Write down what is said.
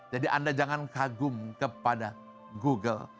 jadi anda jangan kagum kepada google